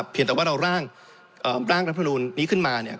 เพียงแต่ว่าเราร่างรัฐมนูลนี้ขึ้นมาเนี่ย